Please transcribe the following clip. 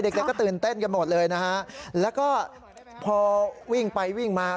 เด็กก็ตื่นเต้นกันหมดเลยนะฮะแล้วก็พอวิ่งไปวิ่งมา